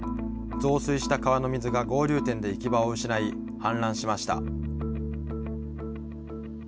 増水した川の水が合流点で行き場を失い、氾濫しました。